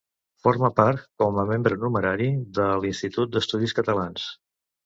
Forma part, com a membre numerari, de l'Institut d'Estudis Catalans.